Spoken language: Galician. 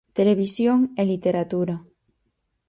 Televisión e literatura.